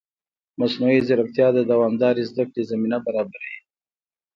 مصنوعي ځیرکتیا د دوامدارې زده کړې زمینه برابروي.